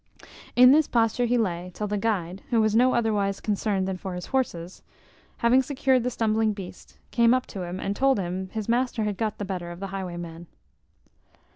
In this posture he lay, till the guide, who was no otherwise concerned than for his horses, having secured the stumbling beast, came up to him, and told him his master had got the better of the highwayman.